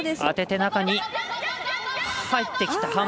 当てて中に入ってきた。